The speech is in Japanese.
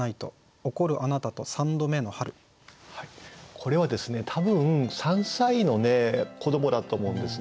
これはですね多分３歳の子どもだと思うんですね。